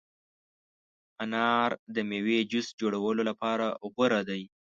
انار د مېوې جوس جوړولو لپاره غوره دی.